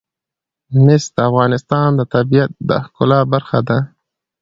مس د افغانستان د طبیعت د ښکلا برخه ده.